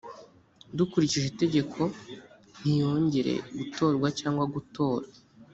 dukurikije itegeko ntiyongere gutorwa cyangwa gutora